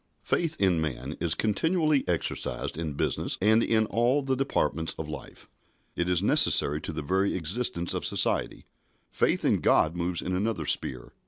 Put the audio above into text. Faith in man is continually exercised in business and in all the departments of life. It is necessary to the very existence of society. Faith in God moves in another sphere.